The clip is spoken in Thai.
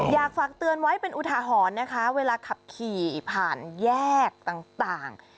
อยากฝากเตือนไว้เป็นอุทาหรณ์นะคะเวลาขับขี่ผ่านแยกต่าง